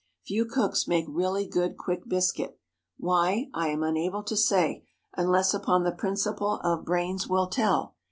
Few cooks make really good, quick biscuit—why, I am unable to say, unless upon the principle of "brains will tell."